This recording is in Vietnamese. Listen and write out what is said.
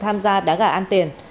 tham gia đá gà ăn tiền